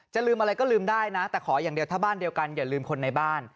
ลืมอะไรก็ลืมได้นะแต่ขออย่างเดียวถ้าบ้านเดียวกันอย่าลืมคนในบ้าน